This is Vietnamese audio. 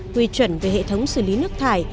quy chuẩn về hệ thống xử lý nước thải